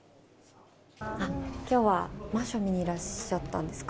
今日はマンションを見にいらっしゃったんですか。